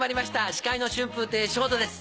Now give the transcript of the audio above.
司会の春風亭昇太です。